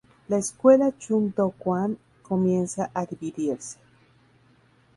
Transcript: La escuela Chung Do kwan comienza a dividirse.